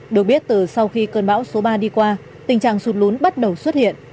được biết từ sau khi cơn bão số ba đi qua tình trạng sụt lún bắt đầu xuất hiện